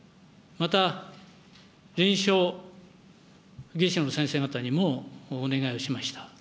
また臨床技師の先生方にもお願いをしました。